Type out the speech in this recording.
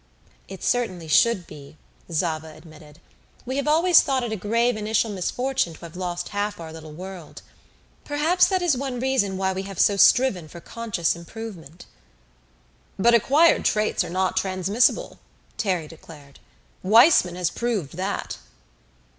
"It certainly should be," Zava admitted. "We have always thought it a grave initial misfortune to have lost half our little world. Perhaps that is one reason why we have so striven for conscious improvement." "But acquired traits are not transmissible," Terry declared. "Weissman has proved that."